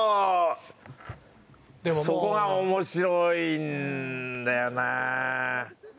でもそこが面白いんだよな。